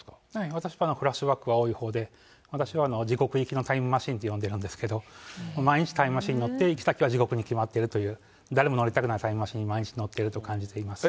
私はフラッシュバックが多いほうで、私は地獄行きのタイムマシーンと呼んでるんですけど、毎日タイムマシーンに乗って、行き先は地獄に決まっているという、誰も乗りたくないタイムマシーンに毎日乗っていると感じています。